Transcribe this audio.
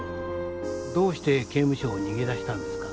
どうして刑務所を逃げ出したんですか？